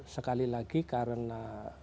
sekali lagi karena